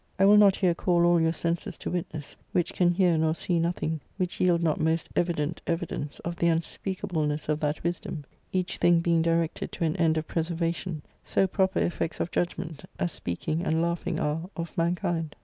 I will not here call all your senses to witness, which can hear nor see nothing which yield not most evident evi dence of the unspeakableness of that wisdom, each thing being directed to an end of preservation ; so proper effects of judg ment, as speaking and laughing are of mankind.